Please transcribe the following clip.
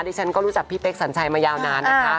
ฉันก็รู้จักพี่เป๊กสัญชัยมายาวนานนะคะ